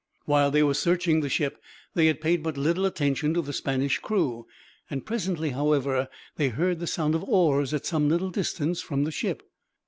While they were searching the ship, they had paid but little attention to the Spanish crew. Presently, however, they heard the sound of oars at some little distance from the ship.